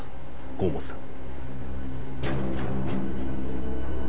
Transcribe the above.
河本さん。